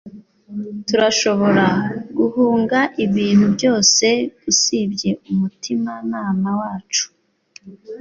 Turashobora guhunga ibintu byose, usibye umutimanama wacu.